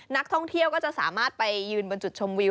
นักท่องเที่ยวก็จะสามารถไปยืนบนจุดชมวิว